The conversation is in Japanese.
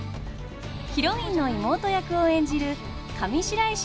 ヒロインの妹役を演じる上白石